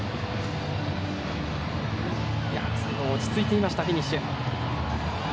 最後、落ち着いていましたフィニッシュ。